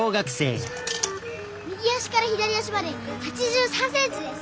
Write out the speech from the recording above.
右足から左足まで８３ｃｍです。